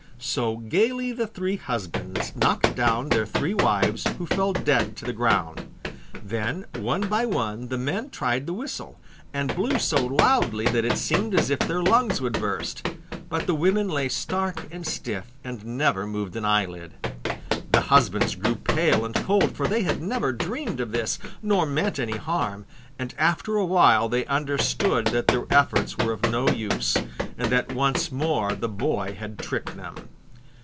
So gaily the three husbands knocked down their three wives, who fell dead to the ground. Then one by one the men tried the whistle, and blew so loudly that it seemed as if their lungs would burst, but the women lay stark and stiff and never moved an eyelid. The husbands grew pale and cold, for they had never dreamed of this, nor meant any harm, and after a while they understood that their efforts were of no use, and that once more the boy had tricked them.